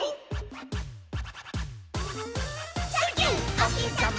「おひさま